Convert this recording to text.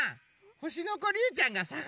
ほしのこりゅうちゃんがさがしてたよ。